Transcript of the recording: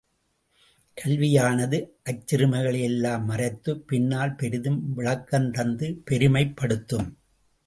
கல்வியானது அச்சிறுமைகளை யெல்லாம் மறைத்துப் பின்னால் பெரிதும் விளக்கந் தந்து பெருமைப் படுத்தும்.